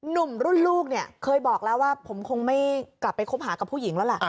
หนุ่มรุ่นลูกเนี่ยเคยบอกแล้วว่าผมคงไม่กลับไปคบหากับผู้หญิงแล้วแหละ